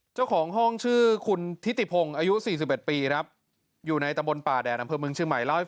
เจ้าของห้องชื่อคุณธิติพงอายุ๔๑ปีนะครับอยู่ในตำบลป่าแดนอำเภอเมืองช่วยใหม่